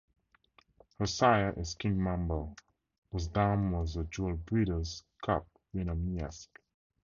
Her sire is Kingmambo, whose dam was the dual Breeders' Cup winner Miesque.